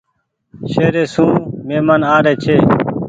شهري سون مهمان آري ڇي۔